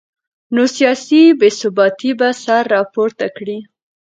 نو سیاسي بې ثباتي به سر راپورته کړي